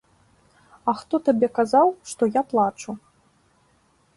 А хто табе казаў, што я плачу?